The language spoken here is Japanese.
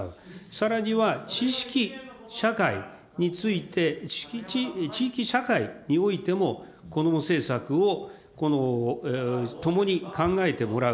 さらにはちしき社会について、地域社会においても、こども政策をともに考えてもらう。